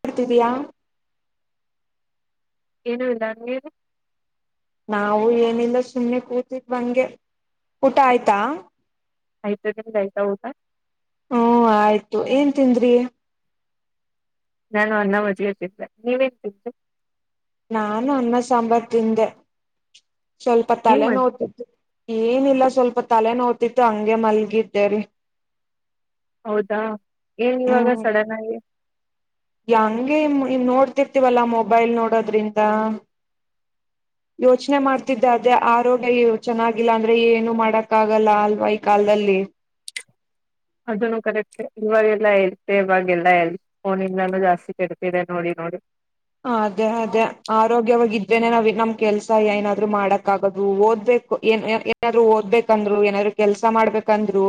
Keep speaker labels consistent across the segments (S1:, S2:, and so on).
S1: ಕೊಡತಿದಿಯ
S2: ಏನು ಇಲ್ಲ ನಿವರಿ
S1: ನಾವು ಏನಿಲ್ಲ ಸುಮ್ಮ್ನೆ ಕೂತಿದ್ ಅಂಗೆ ಊಟ ಆಯ್ತಾ
S2: ಆಯಿತ ನಿಮ್ಮದು ಆಯ್ತಾ ಊಟ
S1: ಹಓ ಆಯ್ತು ಏನ್ ತಿಂದ್ರಿ
S2: ನಾನು ಅನ್ನ ಮಜ್ಗೆಗೆ ತಿಂದೆ ನೀವೇನ್ ತಿಂದ್ರಿ
S1: ನಾನು ಅಣ್ಣಾ ಸಾಂಬರ ತಿಂದೆ ಸ್ವಲ್ಪ
S2: ಏನ್
S1: ತಲೆ
S2: ಮಾಡ
S1: ನೌತಾ ಇತ್ತು ಏನಿಲ್ಲ ಸ್ವಲ್ಪ ತಲೆನೋ್ತಿತ್ತು ಹಂಗೆ ಮಲ್ಗಿದ್ದೇರಿೀ
S2: ಹೌದಾ ಏನ್ ಇವಾಗ ಸಡನ್ ಆಗಿ
S1: ಯಂಗೆ ನೋಡ್ತಿರ್ತಿವಲ್ಲ ಮೊಬೈಲ್ ನೋಡೋದ್ರಿಂದ ಯೋಚನೆ ಮಾಡ್ತಿದ್ದೆ ಅದೇ ಆರೋಗ್ಯ ಚೆನ್ನಾಗಿಲ್ಲ ಅಂದ್ರೆ ಏನು ಮಾಡಕ್ ಆಗಲ್ಲ ಅಲ್ವಾ ಈ ಕಾಲದಲ್ಲಿ
S2: ಅದನ್ನು ಕರೆಕ್ಟ್ ಇವಾಗೆಲ್ಲಾ ಹೆಲ್ತ್ ಇವಾಗೆಲ್ಲಾ ಹೆಲ್ತ್ ಫೋನಿಂದಾನ ಜಾಸ್ತಿ ಕೆಡತಿದೆ ನೋಡಿ ನೋಡಿ
S1: ಹ ಅದೇ ಅದೇ ಆರೋಗ್ಯವಾಗಿ ಇದ್ರೇನೆ ನಾವ್ ನಮ ಕೆಲ್ಸ ಏನಾದ್ರು ಮಾಡಕ್ ಆಾಗದು ಓದ್ಬೇಕು ಏನ್ ಏನಾದ್ರು ಓದ್ಬೇಕಂದ್ರು ಏನಾದ್ರು ಕೆಲ್ಸ ಮಾಡ್ಬೇಕಂದ್ರು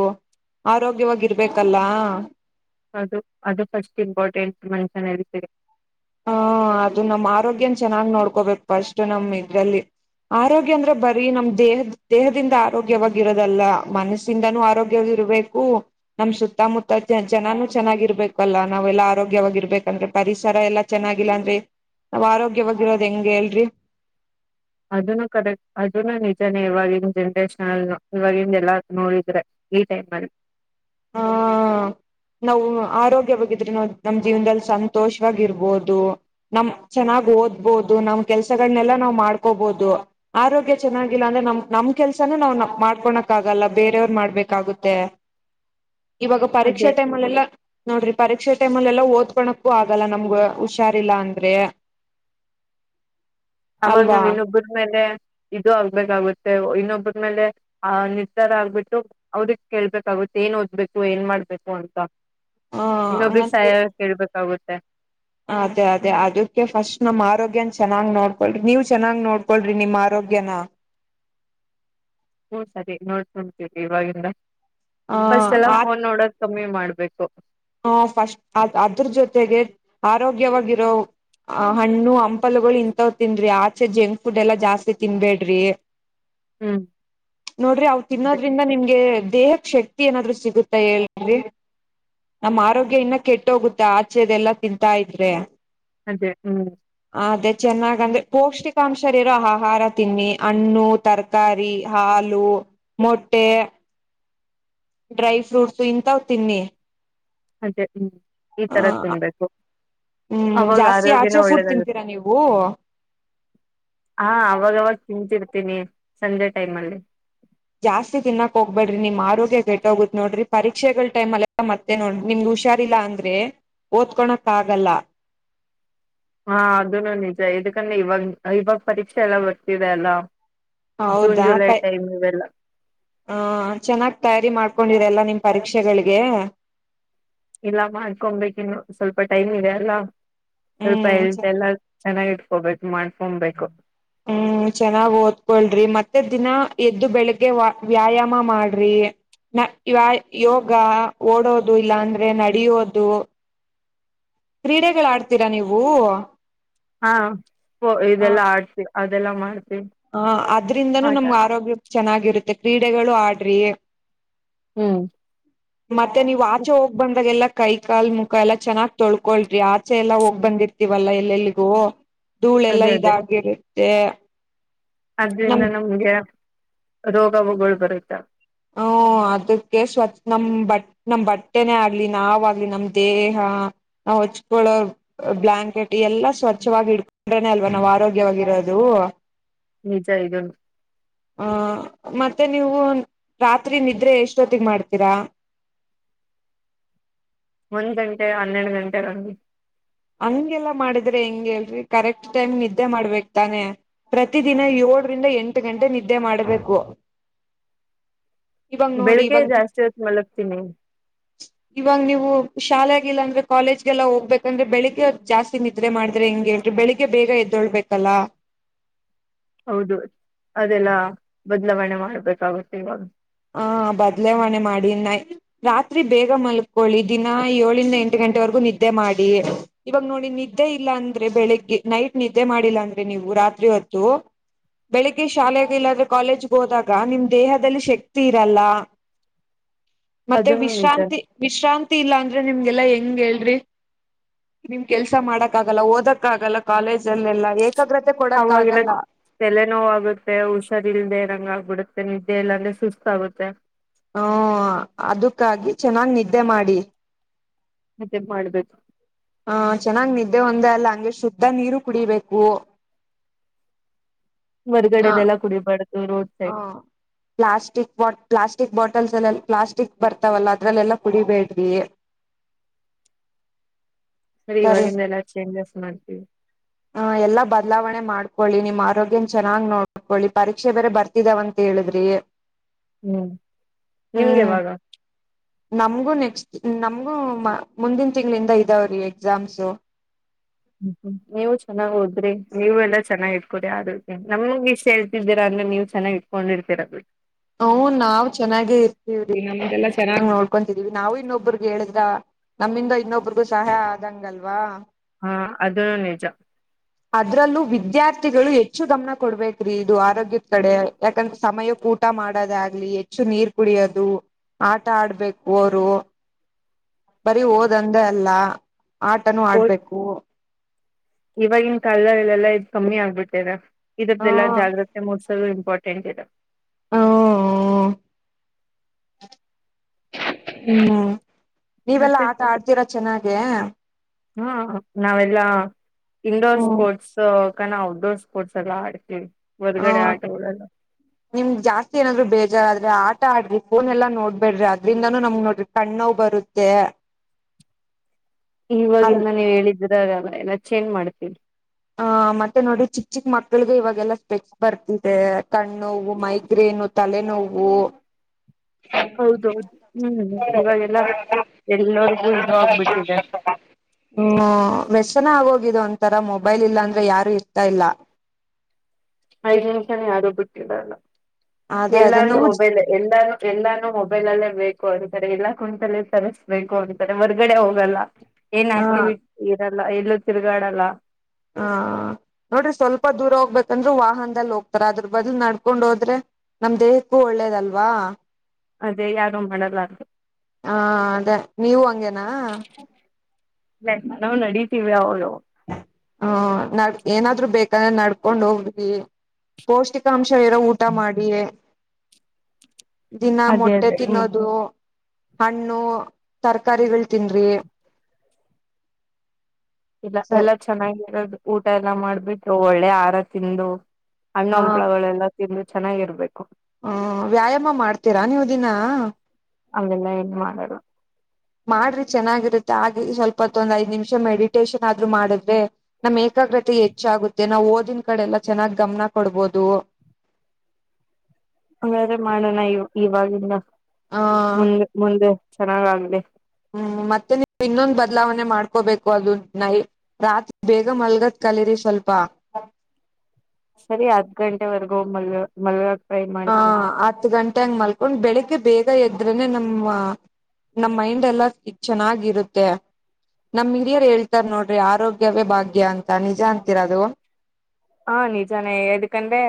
S1: ಆರೋಗ್ಯವಾಗಿ ಇರ್ಬೇಕಲ್ಲ
S2: ಅದು ಅದು ಫಸ್ಟ್ ಇಂಪಾರ್ಟೆಂಟ್ ಮನುಷ್ಯನ ಹೆಲ್ತ್ ಗೆ
S1: ಹದು ನ ಆರೋಗ್ಯನ ಚೆನ್ನಾಗ್ ನೋಡ್ಕೋಬೇಕು ಫಸ್ಟ್ ನಮ ಇದ್ರಲ್ಲಿ ಆರೋಗ್ಯ ಅಂದ್ರೆ ಬರೀ ನಮ್ ದೇಹದ ದೇಹದಿಂದ ಆರೋಗ್ಯವಾಗಿ ಇರೋದಲ್ಲ ಮನಸ್ಸಿಂದನೂ ಆರೋಗ್ಯ ಇರ್ಬೇಕು ನಮ ಸುತ್ತಮುತ್ತ ಜನಾನು ಚೆನ್ನಾಗಿರ್ಬೇಕಲ್ಲಾ ನಾವೆಲ್ಲಾ ಆರೋಗ್ಯವಾಗಿರ್ಬೇಕಂದ್ರೆ ಪರಿಸರ ಎಲ್ಲ ಚೆನ್ನಾಗಿಲ್ಲಾಂದ್ರೆ ನಾವ್ ಆರೋಗ್ಯವಾಗಿರೋದ್ ಹೆಂಗೆ ಹೇಳಲ್ರಿ
S2: ಅದನು ಕರೆಕ್ ಅದನು ನಿಜನೇ ಇವಾಗಿವಾಗಿನ ಜನ್ರೇಷನ್ಲ್ ಇವಾಗಿವಾಗಿಂದ ಎಲ್ಲಾ ನೋಡಿದ್ರೆ ಈ ಟೈಮ್ ಅಲ್ಲಿ
S1: ಹ ನಾವು ಆರೋಗ್ಯವಾಗಿ ಇದ್ರೆ ನಾವು ನಮ್ ಜೀವನದಲ್ಲಿ ಸಂತೋಷವಾಗಿರ್ಬೋದು ನಮ ಚೆನ್ನಾಗ್ ಓದ್ಬೋದು ನಮ್ ಕೆಲ್ಸಗಳನೆಲ್ಲ ನಾವ್ ಮಾಡ್ಕೋಬೋದು ಆರೋಗ್ಯ ಚೆನ್ನಾಗಿಲ್ಲ ಅಂದ್ರೆ ನಮ ನಮ್ ಕೆಲ್ಸನ ನಾವ್ ಮಾಡ್ಕೊಕ್ ಆಗಲ್ಲ ಬೇರೆಯವ್ರ ಮಾಡ್ಬೇಕಾಗುತ್ತೆ ಇವಾಗ ಪರೀಕ್ಷಾ
S2: ಅದೇ
S1: ಟೈಮ್ ಅಲ್ಲೆಲ್ಲಾ ನೋಡ್ರಿ ಪರೀಕ್ಷೆ ಟೈಮ್ಲ್ ಎಲ್ಲ ಓದ್ಕೋಳಕ್ಕೂ ಆಗಲ್ಲ ನಮ್ಗ ಹುಷಾರಿಲ್ಲ ಅಂದ್ರೆ
S2: ಅವಾಗ
S1: ಅಲ್ವಾ
S2: ನಾವ್ ಇನ್ನೊಬ್ರ ಮೇಲೆ ಇದು ಆಗ್ಬೇಕಾಗುತ್ತೆ ಇನ್ನೊಬ್ಬರಮೇಲೆ ಆ ನಿರ್ಧಾರ ಆಗ್ಬಿಟ್ಟು ಅವ್ರಗ್ ಕೇಳ್ಬೇಕಾಗುತ್ತೆ ಏನ್ ಓದ್ಬೇಕು ಏನ್ ಮಾಡ್ಬೇಕು ಅಂತ
S1: ಹ
S2: ಇನ್ನೊಬ್ರಿಗೆ
S1: ಹಂಗಂತ
S2: ಸಹಾಯ ಕೇಳ್ಬೇಕು ಗೊತ್ತಾಗುತ್ತೆ
S1: ಅದೇ ಅದೇ ಅದಕ್ಕೆ ಫಸ್ಟ್ ನಮ್ ಆರೋಗ್ಯನ ಚೆನ್ನಾಗ್ ನೋಡ್ಕೊಳ್ರಿ ನೀವ ಚೆನ್ನಾಗ್ ನೋಡ್ಕೊಳ್ರಿ ನಿಮ್ಮ ಆರೋಗ್ಯನ
S2: ಹ್ಮ್ ಸರಿ ನೋಡ್ಕೊಡ್ತೇವಿ ಇವಾಗಿಂದ
S1: ಆ
S2: ಫಸ್ಟ್ ಎಲ್ಲ ಫೋನ್ ನೋಡದು ಕಮ್ಮಿ ಮಾಡ್ಬೇಕು
S1: ಹ ಫಸ್ಟ್ ಅದ್ ಅದ್ರ ಜೊತೆಗೆ ಆರೋಗ್ಯವಾಗಿರೋ ಆ ಹಣ್ಣು ಹಂಪಲುಗಳು ಇಂತ ತಿಂದ್ರಿ ಆಚೆ ಜಂಕ್ ಫುಡ್ ಎಲ್ಲಾ ಜಾಸ್ತಿ ತಿನ್ಬೇಡ್ರಿ
S2: ಹ್ಮ್
S1: ನೋಡ್ರಿ ಅವ
S2: ಅದೇ
S1: ತಿನ್ನೋದ್ರಿಂದ ನಿಮ್ಗೆ ದೇಹಕ್ ಶಕ್ತಿ ಏನಾದ್ರು ಸಿಗುತಾ ಹೇಳಿ ನಮ್ಮ್ ಆರೋಗ್ಯ ಇನ್ನ ಕೆಟ್ಟ ಹೋಗುತ್ತೆ ಆಚೆ ಅದೆಲ್ಲಾ ತಿಂತಾ ಇದ್ರೆ
S2: ಅದೇ ಹ್ಮ್
S1: ಅದೇ ಚೆನ್ನಾಗಂದ್ರೆ ಪೌಷ್ಟಿಕಾಂಶರಿರೋ ಆಹಾರ ತಿನ್ನಿ ಹಣ್ಣು ತರಕಾರಿ ಹಾಲು ಮೊಟ್ಟೆ ಡ್ರೈ ಫ್ರೂಟ್ಸು ಇಂತವು ತಿನ್ನಿ
S2: ಅದೇ ಹ್ಮ್ ಈ
S1: ಆ
S2: ತರದ ತಿನ್ಬೇಕು
S1: ಹ್ಮ್
S2: ಅವಾಗ
S1: ಜಾಸ್ತಿ
S2: ಆರೋಗ್ಯನ
S1: ಆಚೆ ಫುಡ್
S2: ಒಳ್ಳೇದಾಗುತ್ತೆ
S1: ತಿಂತೀರಾ ನೀವು
S2: ನಿಂತಿರ್ತೀನಿ ಸಂಜೆ ಟೈಮ್ ಅಲ್ಲಿ
S1: ಜಾಸ್ತಿ ತಿನ್ನಾಕ್ ಹೋಗ್ಬೇಡ್ರಿ ನಿಮ್ ಆರೋಗ್ಯ ಕೆಟ್ಟೋಗತ್ ನೋಡ್ರಿ ಪರೀಕ್ಷೆಗಳ ಟೈಮ್ಲಲ್ಲ ಮತ್ತೆ ನೋಡ್ರಿ ನಿಮ್ಗ್ ಹುಷಾರಿಲ್ಲಾ ಅಂದ್ರೆ ಓದ್ಕೊಳಕ್ ಆಗಲ್ಲ
S2: ಹಾ ಅದನು ನಿಜ ಇದಕಂದ್ರೆ ಇವಾಗ ಇವಾಗ ಪರೀಕ್ಷೆ ಎಲ್ಲ ಬರ್ತಿದೆ ಅಲ್ಲ ಜೂನ್
S1: ಹೌದಾ
S2: ಜುಲೈ
S1: ಬೈ
S2: ಟೈಮ್ ಇವೆಲ್ಲ
S1: ಹ ಚೆನ್ನಾಗಿ ತಯಾರಿ ಮಾಡ್ಕೊಂಡಿರಿ ಎಲ್ಲ ನಿಮ ಪರೀಕ್ಷೆಗಳಿಗೆ
S2: ಇಲ್ಲ ಮಾಡ್ಕೊಬೇಕಿನ್ನು ಸ್ವಲ್ಪ ಟೈಮ್ ಇದೆ ಅಲ್ಲ ಸ್ವಲ್ಪ
S1: ಹ್ಮ್
S2: ಇಳ್ತ ಎಲ್ಲ ಚೆನ್ನಾಗಿ ಇಟ್ಕೊಬೇಕು
S1: ಹ್ಮ್ ಚೆನ್ನಾಗ್ ಓದ್ಕೊಳ್ರಿ ಮತ್ತೆ ದಿನ ಎದ್ದು ಬೆಳಿಗ್ಗೆ ವ ವ್ಯಾಯಾಮ ಮಾಡ್ರಿ ನ ಯ ಯೋಗ ಓಡೋದು ಇಲ್ಲಾಂದ್ರೆ ನಡಿಯೋದು ಕ್ರೀಡೆಗಳ ಆಡ್ತೀರಾ ನೀವು
S2: ಹಾ ಹು ಇದೆಲ್ಲಾ ಆಡ್ತೀವಿ ಅದೆಲ್ಲಾ ಮಾಡ್
S1: ಹ ಅದ್ರಿಂದನೂ ನಮ್ಗ ಆರೋಗ್ಯ ಚೆನ್ನಾಗಿರುತ್ತೆ ಕ್ರೀಡೆ ಗಡೆಗಳು ಆಡ್ರಿ
S2: ಹ್ಮ್
S1: ಮತ್ತೆ ನೀವು ಆಚೆ ಹೋಗ್ ಬಂದಾಗ ಎಲ್ಲ ಕೈ ಕಾಲ್ ಮುಖ ಎಲ್ಲಾ ಚೆನ್ನಾಗ್ ತೊಳ್ಕೊಳ್ರಿ ಆಚೆ ಎಲ್ಲಾ ಹೋಗ್ ಬಂದಿರ್ತವಲ್ಲಾ ಎಲ್ಲೆಲ್ಲಿಗೂ ಧೂಳೆ ಎಲ್ಲ ಇದಾಗಿರ ಏ
S2: ಆದದ್ರಿಂದ ನಮ್ಗೆ ರೋಗ ವಗಳು ಬರೋಯ್ತಾವ
S1: ಹ್ಮ ಅದಕ್ಕೆ ಸ್ವಚ್ ನಮ್ ಬಟ್ ನಮ್ ಬಟ್ಟೆನೆ ಆಗ್ಲಿ ನಾವಾಗ್ಲಿ ನಮ್ ದೇಹ ನಾ ಹೊಚ್ಕೊಳ್ಳೋ ಬ್ಲಾಂಕೆಟ್ ಎಲ್ಲಾ ಸ್ವಚ್ಛವಾಗಿ ಇಡ್ಕೊಂಡ್ರೇನೆ ಅಲ್ವಾ ನಾವ್ ಆರೋಗ್ಯವಾಗಿರೋದು
S2: ನಿಜ ಇದನು
S1: ಹ ಮತ್ತೆ ನೀವು ರಾತ್ರಿ ನಿದ್ರೆ ಎಷ್ಟೊತ್ತಿಗೆ ಮಾಡ್ತೀರಾ
S2: ಒಂದ್ ಗಂಟೆ ಹನ್ನೆರಡು ಗಂಟೆವರೆಗೂ
S1: ಹಂಗೆಲ್ಲಾ ಮಾಡಿದ್ರೆ ಹೆಂಗೆ ಅಲ್ರಿ ಕರೆಕ್ಟ್ ಟೈಮ್ ಗೆ ನಿದ್ದೆ ಮಾಡ್ಬೇಕ ತಾನೆ ಪ್ರತಿದಿನ ಏಳರಿಂದ ಎಂಟು ಗಂಟೆ ನಿದ್ದೆ ಮಾಡ್ಬೇಕು ಇವಾಗ ನೋಡಿ
S2: ಬೆಳಿಗ್ಗೆ
S1: ಇವಾಗ
S2: ಜಾಸ್ತಿ ಹೊತ್ತು ಮಲಗ್ತೀನಿ
S1: ಇವಾಗ ನೀವು ಶಾಲೆ ಇಲ್ಲಂದ್ರೆ ಕಾಲೇಜ್ಗೆಲ್ಲ ಹೋಗ್ಬೇಕಂದ್ರೆ ಬೆಳಿಗ್ಗೆ ಜಾಸ್ತಿ ನಿದ್ರೆ ಮಾಡಿದ್ರೆ ಹೆಂಗೆ ಬೆಳಿಗ್ಗೆ ಬೇಗ ಎದ್ದಳ್ಬೇಕಲ್ಲ
S2: ಹೌದು ಅದೆಲ್ಲ ಬದಲಾವಣೆ ಮಾಡ್ಬೇಕಾಗುತ್ತೆ ಇವಾಗ
S1: ಹ ಬದಲಾವಣೆ ಮಾಡಿ ನೈ ರಾತ್ರಿ ಬೇಗ ಮಲ್ಕೊಳ್ಳಿ ದಿನ ಏಳಂದ ಎಂಟು ಗಂಟೆವರೆಗೂ ನಿದ್ದೆ ಮಾಡಿ ಇವಾಗ ನೋಡಿ ನಿದ್ದೆ ಇಲ್ಲಾ ಅಂದ್ರೆ ಬೆಳಿಗ್ಗೆ ನೈಟ್ ನಿದ್ದೆ ಮಾಡಿಲ್ಲ ಅಂದ್ರೆ ನೀವು ರಾತ್ರಿ ಹೊತ್ತು ಬೆಳಿಗ್ಗೆ ಶಾಲೆೆಗೆ ಇಲ್ಲಾಂದ್ರೆ ಕಾಲೇಜ್ಗೆೋದಾಗ ನಿಮ್ ದೇಹದಲ್ಲಿ ಶಕ್ತಿ ತಿರಲ [unintelligible] ಮತ್ತೆ
S2: ಅದನ್ನು ನಿಜ
S1: ವಿಶ್ರಾಂತಿ ವಿಶ್ರಾಂತಿ ಇಲ್ಲಾ ಅಂದ್ರೆ ನಿಮ್ಗೆಲ್ಲಾ ಹೆ ಹಂಗ ಹೇಳ್ರಿನಿಮ ಕೆಲ್ಸ ಮಾಡಕ್ ಆಗಲ್ಲ ಓದಕ ಆಗಲ್ಲ ಕಾಲೇಜ ಅಲ್ಲೆಲ್ಲಾ
S2: ಅವಾಗಿಲ್ಲ ತಲೆ ನೋ ಆಗುತ್ತೆ ಹುಷಾರ ಇಲ್ದೆ ನಂಗ ಆಗ್ಬಿಡುತ್ತೆ ಮತ್ತೆ ನಿದ್ದೆ ಎಲ್ಲ ಅಂದ್ರೆ ಸುಸ್ತ ಆಾಗುತ್ತೆ
S1: ಹ್ಮ ಅದಕ್ಕಾಗಿ ಚೆನ್ನಾಗ್ ನಿದ್ದೆ ಮಾಡಿ
S2: ಮತ್ತೆ ಮಾಡ್ಬೇಕು
S1: ಹಹ ಚೆನ್ನಾಗ್ ನಿದ್ದೆ ಒಂದೇ ಅಲ್ಲ ಹಂಗೆ ಶುದ್ಧ ನೀರು ಕುಡಿಬೇಕು ಹ
S2: ಹೊರ್ಗಡೆನೆಲ್ಲ ಕುಡಿಬಾರ್ದು ರೋಡ್
S1: ಹ
S2: ಸೈಡ್
S1: ಪ್ಲಾಸ್ಟಿಕ್ ಬಾಟ್ ಪ್ಲಾಸ್ಟಿಕ್ ಬಾಟಲ್ಸ್ ಎಲ್ಲ ಪ್ಲಾಸ್ಟಿಕ್ ಬರ್ತಾವಲ್ಲ ಅದ್ರಲ್ಲೆಲ್ಲ ಕುಡಿಬೇಡಿ ಸರಿ
S2: ಇವಾಗಿಂದ ಎಲ್ಲಾ ಚೇಂಜಸ್ ಮಾಡ್ತೀವಿ
S1: ಹ ಎಲ್ಲಾ ಬದಲಾವಣೆ ಮಾಡ್ ಕೊಳ್ಳಿ ನಿಮ್ಮ ಆರೋಗ್ಯನ ಚೆನ್ನಾಗ ನೋಡ್ಕೊಳ್ಳಿ ಪರೀಕ್ಷೆ ಬೇ ಬರ್ತಾ [unintelligible] ತಿದಾವಂತ ಹೇಳಿದ್ರಿ [unintelligible]
S2: ಹ್ಮ್
S1: ಹ್ಮ್
S2: ನಿಮ್ಗೆವಾಗ
S1: ನಮ್ಗೂ ನೆಕ್ಸ್ಟ್ ನಮ್ಗೂ ಮುಂದಿನ ತಿಂಗಳಿಂದ ಇದಾವ್ರೀ ಎಕ್ಸಾಮ್ಸು
S2: ಹ್ಮ್ಮ್ ನೀವು ಚನ್ನಾಗ್ ಹೋದ್ರಿ ನೀವು ಎಲ್ಲಾ ಚನ್ನಾಗಿ ಇಟ್ಕೊಡಿ ಆತಿ ನಮಗ್ ಇಷ್ಟ ಹೇಳತಿದ್ದೀರಾಂದ್ರೆ ನೀವಚೆನ್ನಾಗಿ ಇಟ್ಕೊಂಡಿರ್ತೀರ ಬಿಡಿ
S1: ಹ ನಾವ್ ಚೆನ್ನಾಗೆ ಇರ್ತಿವ್ರಿ ನಮ್ಮ್ದಲ್ಲಾ ಚೆನ್ನಾಗ್ ನೋಡ್ವಿ [unintelligible] ಕಂತತಿದೀವಿ ನಾವು ಇನ್ನೊಬ್ಬ್ರಗ ಹೇಳಿದ್ರ ನಮ್ಮಿಂದ ಇನ್ನೊಬ್ರಗೂ ಸಹಾಯ ಆದಂಗಲ್ವಾ [unintelligible]
S2: ಹ ಅದನುನಿಜ
S1: ಅದ್ರಲ್ಲೂ ವಿದ್ಯಾರ್ಥಿಗಳು ಹೆಚ್ಚು ಗಮನ ಕೊಡ್ಬೇಕ್ರಿ ಇದು ಆರೋಗ್ಯದ ಕಡೆ ಯಾಕಂದ್ರ ಸಮಯ ಊಟ ಮಾಡೋದ ಆಗ್ಲಿ ಹೆಚ್ಚು ನೀರ್ ಕುಡಿಯೋದು ಆಟ ಆಡ್ಬೇಕು ಅವರು ಬರಿ ಓದಂದೆಅಲ್ಲ ಆಟನುೂ ಆಡ್ಬೇಕು
S2: ಇವಾಗಿನ್ ಕಾಲದ ಇಲ್ಲೆಲ್ಲಾ ಇ್ ಕಮ್ಮಿ ಆಗ್ಬಿಟ್ಟಿದೆ [unintelligible]
S1: ಹ
S2: ಇದದ್ದೆಲ್ಲ ಜಾಗೃತೆ ಮೂ ಇಂಪೋರ್ಟೆಂಟ್ ಇದು
S1: ಹ ಹ್ಮ ನೀವೆಲ್ಲಾ
S2: ಮತ್ತೆ
S1: ಆಟ ಆಡ್ತೀರಾ ಚೆನ್ನಾಗೆ
S2: ಹಾ ನಾವೆಲ್ಲಾ ಇನ್ಂಡೋರ್
S1: ಹ್ಮ್
S2: ಸ್ಪೋರ್ಟ್ಸ್ ತನ ಔ ಡೋರ್ ಸ್ಪೋರ್ಟ್ಸ್ ಎಲ್ಲ ಆಡ್ತೀವಿ ಹೊರ್ಗಡೆ
S1: ಹ್ಮ
S2: ಆಟಗಳೆಲ್ಲ
S1: ನಿಮ್ ಜಾಸ್ತಿ ಏನಾದ್ರು ಬೇಜಾರ್ ಆದ್ರೆ ಆ ಊಟ ಆಡ್ರಿ ಫೋನ್ ಎಲ್ಲಾ ನೋಡ್ಬೇಡ್ರಿ ಅದ್ರಿಂದಾನೂ ನಮ ನೋಡ್ರಿ ಕಣ್ಣ ನೋವುಬರುತ್ತೆ
S2: ಇವಾಗಿನ್ನಾ ನೀವ್ ಹೇಳಿದ್ ಇದ್ರಾಗಲ್ಲ ಎಲ್ಲ ಚೇಂಜ್ ಮಾಡ್ತೀನಿ
S1: ಆ ಮತ್ತೆ ನೋಡ್ರಿ ಚಿಕ್ಕ ಚಿಕ್ ಮಕ್ಳಗೆ ಇವಾಗೆಲ್ಲ ಸ್ಪೆಕ್ಸ್ ಬರ್ತಿದೆ ಕಣ್ಣ ನೋವು ಮೈಗ್ರೇನು ತಲೆನೋವು
S2: ಹೌದೌದು ಹ್ಮ್ ಇವಾಗೆಲ್ಲ ಎಲ್ಲರೊಗೂ ಇದು ಆಗ್ಬಿಟ್ಟಿದೆ
S1: ಇದು ಒಂತರಾ ಮೋ ಮೊಬೈಲ್ ಇಲ್ಲಾ ಅಂದ್ರೆ ಯಾರು ಇರ್ತಾ ಇಲ್ಲ
S2: ಐದ್ ನಿಮಿಷನು ಯಾರು ಬಿಟ್ಟಿರಲ್ಲಾ
S1: ಅದೇ ಅದೇ
S2: ಎಲ್ಲಾನು
S1: ನೀವು
S2: ಮೊಬೈಲೆ ಎಲ್ಲಾನು ಎಲ್ಲಾನು ಮೊಬೈಲ್ ಅಲ್ಲೇ ಬೇಕು ಅಂತಾರೆ ಎಲ್ಲಾ ಕುಂತಲೆ ತರಸ್ಬೇಕು ಅಂತಾರೆ ಹೊರ್ಗಡೆ ಹೋಗಲ್ಲಾ ಏನ್
S1: ಹ
S2: ಆಕ್ಟಿವಿಟಿ ಇರಲ್ ಇಲ್ಲಾ ಎಲ್ಲೂ ತಿರುಗಾಡಲ್ಲ
S1: ಹಾ ನೋಡ್ರಿ ಸ್ವಲ್ಪ ದೂರ ಹೋಗ್ಬೇಕಂದ್ರು ವಾಹನದಲ್ಲಿ ಹೋಗ್ತಾರ ಅದ್ರ ಬದಲು ನಡ್ಕೊಂಡ್ ಹೋದ್ರೆ ನಮ್ ದೇಹಕ್ಕೂ ಒಳ್ಳೇದಲ್ವಾ
S2: ಅದೇ ಯಾರು ಮಾಡಲ್ಲ ಅ
S1: ಹಾ ಅದೇ ನೀವು ಹಂಗೇನಾ
S2: ಇಲ್ಲಾ ನಾವ್ ನಡೀತಿವಿ ಅವಾಗ ಅವಾಗ
S1: ಹ ನಡ್ ಏನಾದ್ರು ಬೇಕಂದ್ರೆ ನಡ್ಕೊಂಡ್ ಹೋಗ್ವಿ ಪೌಷ್ಟಿಕಾಂಶ ಚೆನ್ನಾಗಿರೋ ಊಟ ಮಾಡಿ ದಿನಾ
S2: ಅದೇ
S1: ಮೊಟ್ಟೆ
S2: ಅದೇ ಹ್ಮ್
S1: ತಿನ್ನೋದು ಹಣ್ಣು ತರಕಾರಿಗಳ ತಿನ್ರಿ
S2: ಇಲ್ಲ
S1: ಸ
S2: ಎಲ್ಲ ಚೆನ್ನಾಗಿರೋದು ಊಟ ಎಲ್ಲಾ ಮಾಡ್ಬಿಟ್ಟು ಒಳ್ಳೆ ಆಹಾರ ತಿಂದು ಹಣ್ಣು ಹಂಪ್ಳಗಳೆಲ್ಲ ತಿಂದು ಚೆನ್ನಾಗಿರ್ಬೇಕು
S1: ಹ್ಮ ವ್ಯಾಯಾಮ ಮಾಡ್ತೀರಾ ನೀವು ದಿನಾ
S2: ಅವೆಲ್ಲ ಏನ್ ಮಾಡಲ್ಲಾ
S1: ಮಾಡ್ರಿ ಚೆನ್ನಾಗಿರುತ್ತೆ ಹಾಗೆ ಸ್ವಲ್ಪತ್ತೊಂದ್ ಐದ್ ನಿಮಿಷ ಮೆಡಿಟೇಶನ್ ಆದ್ರು ಮಾಡದ್ರೆ ನಮ್ ಏಕಾಗ್ರತೆ ಹೆಚ್ಚಾಗುತ್ತೆ ನಾವ್ ಓದನ್ ಕಡೆ ಎಲ್ಲಾ ಚೆನ್ನಾಗ್ ಗಮನ ಕೊಡ್ಬೋದು
S2: ಹಂಗಾದ್ರೆ ಮಾಡಣ ಇ ಇವಾಗಿಂದ
S1: ಆ
S2: ಮುಂದೆ ಮುಂದೆ ಚೆನ್ನಾಗ್ ಆಗ್ಲಿ
S1: ಹ್ಮ್ ಮತ್ತೆ ನೀವು ಇನ್ನೊಂದ ಬದಲಾವಣೆ ಮಾಡ್ಕೋಬೇಕು ಅದು ನೈ ರಾತ್ರಿ ಬೇಗ ಮಲ್ಗದ್ ಕಲರಿ ಸ್ವಲ್ಪ
S2: ಸರಿ ಹತ್ತ್ ಗಂಟೆವರೆಗೂ ಮಲ್ಗ ಮಲ್ಗಕ್ ಟ್ರೈ
S1: ಹ
S2: ಮಾಡ್ತೀನಿ
S1: ಹತ್ ಗಂಟೆಂಗ ಮಲ್ಕೊಂಡ್ ಬೆಳಿಗ್ಗೆ ಬೇಗ ಬೇಗಾ ಎದ್ರೇನೆ ನಮ್ಮ ನಮ್ ಮೈಂಡ್ ಎಲ್ಲಾ ಚೆನ್ನಾಗಿ ಇರುತ್ತೆ ನಮ್ ಹಿರಿಯರ್ ಹೇಳ್ತಾರ ನೋಡ್ರಿ ಆರೋಗ್ಯವೇ ಭಾಗ್ಯ ಅಂತ ನಿಜ ಅಂತೀರಾ ಅದು
S2: ಹಾ ನಿಜಾನೇ ಯದಕಂದ್ರೆ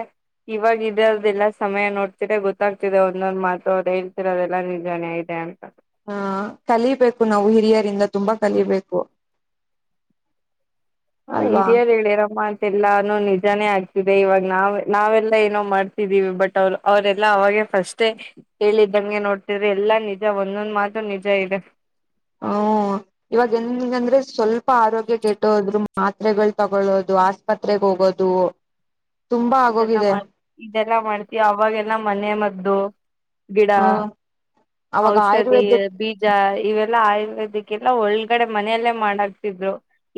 S2: ಇವಾಗ ಇದಅದದೆಲ್ಲ ಸಮಯ ನೋಡ್ತೀರೆ ಗೊತ್ತಾಗ್ತಿದೆ ಒಂದೊಂದ್ ಮಾತು ಅವರ್ ಹೇಳ್ತಿರೋದ್ ಎಲ್ಲಾ ನಿಜಾನೆ ಇದೆ ಅಂತ
S1: ಹ ಕಲಿಬೇಕು ನಾವು ಹಿರಿಯರಿಂದ ತುಂಬಾ ಕಲಿಬೇಕು
S2: ಹಾ
S1: ಅಲ್ವಾ
S2: ಹಿರಿಯರ ಹೇಳಿರೊ ಮಾತ್ ಎಲ್ಲಾನು ನಿಜಾನೇ ಆಗ್ತಿದೆ ಇವಾಗ ನಾವ್ ನಾವೆಲ್ಲಾ ಏನೋ ಮಾಡ್ತಿದೀವಿ ಬಟ್ ಅವ್ರು ಅವ್ರರೆಲ್ಲಾ ಅವಾಗೆ ಫಸ್ಟೇ ಹೇಳಿದ್ದಂಗೆ ನೋಡ್ತಿದ್ರೆ ಎಲ್ಲಾ ನಿಜ ಒಂದೊಂದ್ ಮಾತು ನಿಜ ಇದೆ
S1: ಆದೆ ಸ್ವಲ್ಪ ಆರೋಗ್ಯ ಕೆಟ್ಟ ಹೋದ್ರು ಮಾತ್ರೆಗಳು ತಗೊಳ್ಳೋದು ಆಸ್ಪತ್ರೆಗೆ ಹೋಗೋದು ತುಂಬಾ
S2: ಇದೆಲ್ಲ
S1: ಆಗೋಗಿದೆ
S2: ಮಾಡ ಇದೆಲ್ಲಾ ಮಾಡ್ತಿಯಾ ಅವಾಗೆಲ್ಲ ಮನೆ ಮತ ಹೌದು ಗಿಡ
S1: ಹ್ಮ ಅವಾಗ
S2: ಔಷಧಿ
S1: ಆಯುರ್ವೇದ
S2: ಬೀಜ ಇವೆಲ್ಲ ಆಯುರ್ವೇದಕ್ಕೆ ಎಲ್ಲ ಒಳಗಡೆ ಮನೆಯಲ್ಲೇ ಮಾಡಕ್ತಿದ್ರು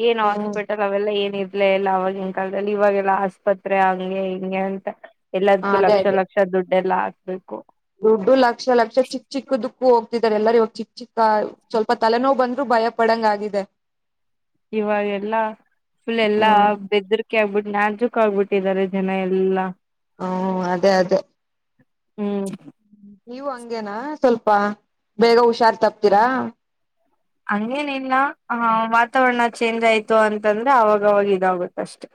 S2: ಏನ್
S1: ಹ್ಮ್
S2: ಹಾಸ್ಪಿಟಲ್ ಅವೆಲ್ಲ ಏನಿಲ್ಲ ಇ ಎಲ್ಲ ಆ ಅವವಾಗಿನ ಕಾಲದಲ್ಲಿ ಇವಾಗೆಲ್ಲಾ ಆಸ್ಪತ್ರೆ ಆಗ ಹಿಂಗೇ ಹಿಂಗೆ ಅಂತ ಎಲ್ಲದಕ್ಕೂ
S1: ಅದೇ
S2: ಲಕ್ಷ
S1: ಅದೇ
S2: ಲಕ್ಷ ದುಡ್ಡು ಎಲ್ಲ ಹಾಕ್ಬೇಕು
S1: ದುಡ್ಡು ಲಕ್ಷ ಲಕ್ಷ ಚಿಕ್ಕ ಚಿಕ್ಕ ದು ಹೋಗ್ತಿದ್ದಾರೆ ಎಲ್ಲರೂ ಇವಾಗ ಚಿಕ್ಕ ಚಿಕ್ಕ ಸ್ವಲ್ಪ ತಲೆನೋ ಬಂದ್ರು ಭಯ ಪಡಂಗ ಆಗಿದೆ
S2: ಇವಾಗೆಲ್ಲಾ ಫುಲ್ ಎಲ್ಲಾ
S1: ಹ್ಮ್
S2: ಬೆದರಿಕೆ ಆಗ್ಬಿಟ್ಟು ನಾಜೂಕ್ ಕ್ಕ ಆಗಬಿಟ್ಟಿದ್ದಾರೆ ಜನ ಎಲ್ಲಾ
S1: ಹ್ಮ ಅದೇ ಅದೇ
S2: ಹ್ಮ್
S1: ನೀವು ಹಂಗೇನಾ ಸ್ವಲ್ಪ ಬೇಗ ಹುಷಾರ್ ತಪ್ತೀರಾ
S2: ಹಂಗೇನಿಲ್ಲ ವಾತಾವರಣ ಚೇಂಜ್ ಆಯ್ತು ಅಂತಂದ್ರೆ ಅವಾಗವಾಗ ಇದಾಗುತ್ತ ಅಷ್ಟೆ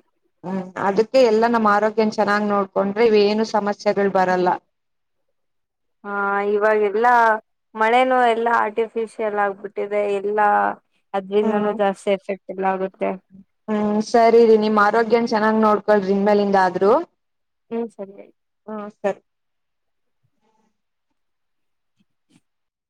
S1: ಹ ಅದಕ್ಕೆ ಎಲ್ಲ ನಮ್ಮ ಆರೋಗ್ಯನ ಚೆನ್ನಾಗಿ ನೋಡ್ಕೊಂಡ್ರೆ ಇವ ಏನು ಸಮಸ್ಯೆಗಳು ಬರಲ್ಲ
S2: ಹಾ ಇವಾಗೆಲ್ಲಾ ಮಳೆನು ಎಲ್ಲಾ ಆರ್ಟಿಫಿಶಿಯಲ್ ಆಗ್ಬಿಟ್ಟಿದೆ ಎಲ್ಲಾ ಅದ್ರಿಂದಾನೂ ಜಾಸ್ತಿ ಎಫೆಕ್ಟ್ ಎಲ್ಲದು
S1: ಹು ಸರಿ ರೀ ನಿಮ್ ಆರೋಗ್ಯನ ಚೆನ್ನಾಗ್ ನೋಡ್ಕೊಳ್ ಇನ್ ಮೇಲಿಂದ ಆದ್ರೂ
S2: ಹು ಸರಿಯ್